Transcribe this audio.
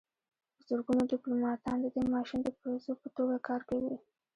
په زرګونو ډیپلوماتان د دې ماشین د پرزو په توګه کار کوي